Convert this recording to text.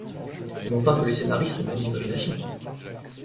Non pas que les scénaristes manquent d'imagination.